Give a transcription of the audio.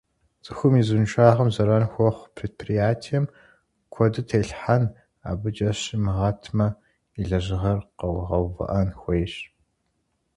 ЦӀыхум и узыншагъэм зэран хуэхъу предприятием къуэды телъхьэн, абыкӀэ щимыгъэтмэ, и лэжьыгъэр къэгъэувыӀэн хуейщ.